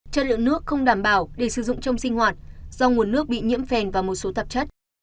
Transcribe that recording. chất lượng nước không đảm bảo để sử dụng trong sinh hoạt do nguồn nước bị nhiễm phèn và một số tạp chất